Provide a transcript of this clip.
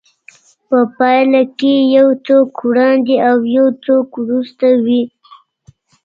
په پايله کې يو څوک وړاندې او يو څوک وروسته وي.